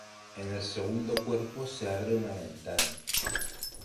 En el segundo cuerpo se abre una ventana.